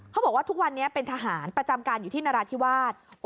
เขาบอกว่าทุกวันนี้เป็นทหารประจำการอยู่ที่นราธิวาส